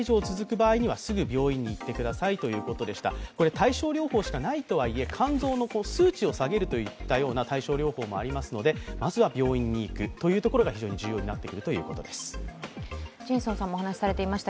対症療法しかないとはいえ、肝臓の数値を下げるといった対症療法もありますのでまずは病院に行くというところが非常に重要になってくるというところだと思います。